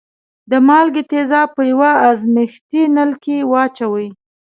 د مالګې تیزاب په یوه ازمیښتي نل کې واچوئ.